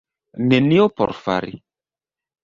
Nenio por fari.